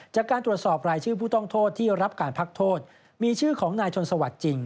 จากการตรวจสอบรายชื่อผู้ต้องโทษที่รับการพักโทษมีชื่อของนายชนสวัสดิ์จริง